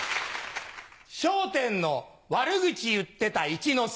『笑点』の悪口言ってた一之輔